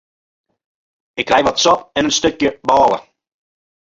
Ik krij wat sop en in stikje bôle.